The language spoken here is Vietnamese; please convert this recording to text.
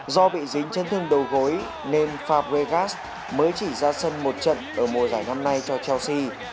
do bị dính chân thương đầu gối nên fabegas mới chỉ ra sân một trận ở mùa giải năm nay cho chelsea